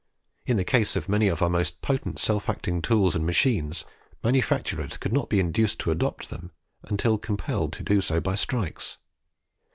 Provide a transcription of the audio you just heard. In the case of many of our most potent self acting tools and machines, manufacturers could not be induced to adopt them until compelled to do so by strikes.